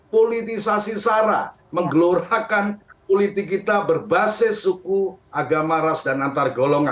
politisasi sara menggelorakan politik kita berbasis suku agama ras dan antar golongan